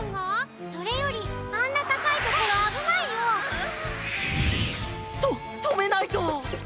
それよりあんなたかいところあぶないよ！ととめないと！